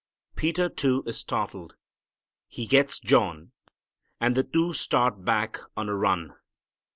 Peter, too, is startled. He gets John, and the two start back on a run.